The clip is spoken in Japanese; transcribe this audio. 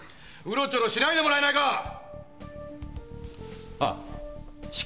うろちょろしないでもらえないか‼ああ失敬。